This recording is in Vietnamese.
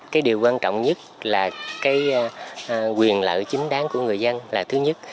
cái điều quan trọng nhất là cái quyền lợi chính đáng của người dân là thứ nhất